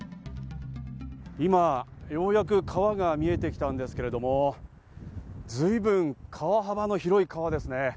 今ようやく川が見えてきたんですけれども、随分、川幅の広い川ですね。